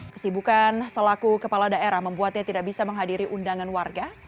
kesibukan selaku kepala daerah membuatnya tidak bisa menghadiri undangan warga